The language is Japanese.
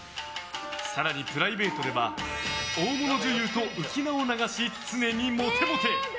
更に、プライベートでは大物女優と浮名を流し常にモテモテ。